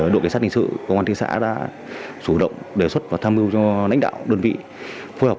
đội cảnh sát hình sự công an thị xã đã chủ động đề xuất và tham mưu cho lãnh đạo đơn vị phối hợp